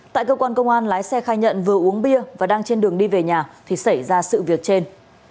tại cơ quan công an lái xe khai nhận vừa uống bia và đang trên đường đi về nhà thì xảy ra sự việc trên